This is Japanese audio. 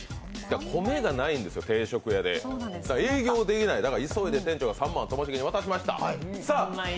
米がないんですよ、定食屋で営業できない、急いで店長が３万をともしげに渡しました。